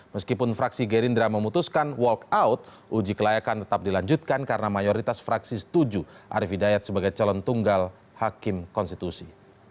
meskipun fraksi gerindra memutuskan walkout uji kelayakan tetap dilanjutkan karena mayoritas fraksi setuju arief hidayat sebagai calon tunggal hakim konstitusi